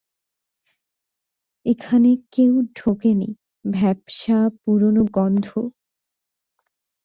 এখানে কেউ ঢোকে নি, ভ্যাপসা, পুরোনো গন্ধ।